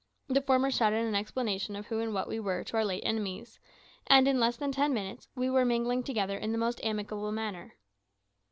The former shouted an explanation of who and what we were to our late enemies, and in less than ten minutes we were mingling together in the most amicable manner.